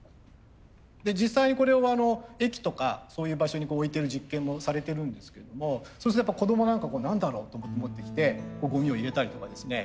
実際にこれを駅とかそういう場所に置いてる実験もされてるんですけどもそうするとやっぱ子供なんか何だろうと思って来てゴミを入れたりとかですね